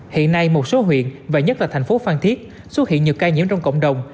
hiện nay một số huyện và nhất là thành phố phan thiết xuất hiện nhiều ca nhiễm trong cộng đồng